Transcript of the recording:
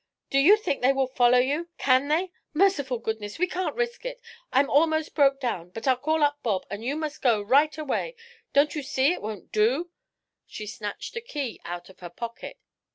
Do you think they will follow you? can they? Merciful goodness! we can't risk it. I'm almost broke down, but I'll call up Bob, an' you must go right away. Don't you see it won't do?" She snatched a key out of her pocket.